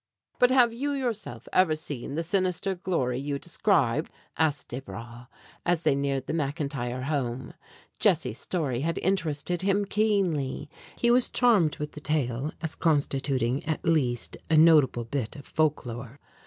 "But have you yourself ever seen the sinister glory you describe?" asked Desbra, as they neared the McIntyre home. Jessie's story had interested him keenly. He was charmed with the tale as constituting at least a notable bit of folk lore.